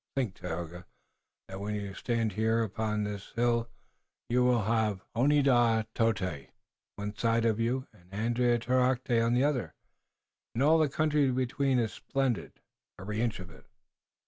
Think, Tayoga, that when you stand here upon this hill you have Oneadatote on one side of you and Andiatarocte on the other, and all the country between is splendid, every inch of it.